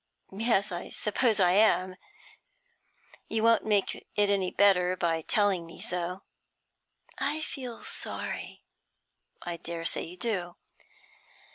'Yes, I suppose I am. You won't make it any better by telling me so.' 'I feel sorry.' 'I dare say you do.'